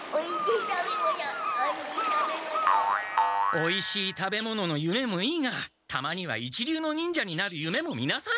おいしい食べ物のゆめもいいがたまには一流の忍者になるゆめも見なさい！